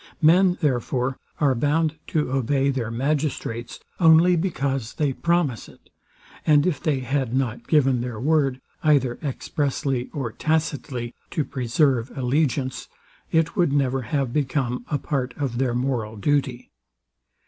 Men, therefore, are bound to obey their magistrates, only because they promise it; and if they had not given their word, either expressly or tacitly, to preserve allegiance, it would never have become a part of their moral duty.